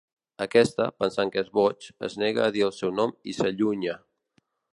Aquesta, pensant que és boig, es nega a dir el seu nom i s'allunya.